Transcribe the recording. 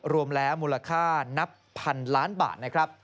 รวมแล้วมูลค่านับพันล้านบาท